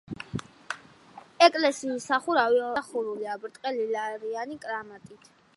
ეკლესიის სახურავი ორფერდაა, გადახურულია ბრტყელი ღარიანი კრამიტით.